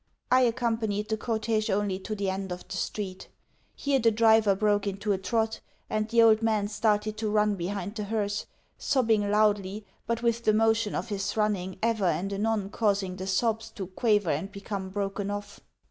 I accompanied the cortège only to the end of the street. Here the driver broke into a trot, and the old man started to run behind the hearse sobbing loudly, but with the motion of his running ever and anon causing the sobs to quaver and become broken off.